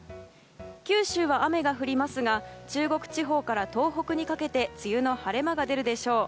九州は雨が降りますが中国地方から東北にかけて梅雨の晴れ間が出るでしょう。